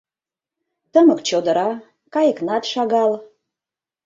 Тымык чодыра, Кайыкнат шагал.